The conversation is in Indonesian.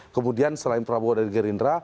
kemudian selain prabowo dari gerindra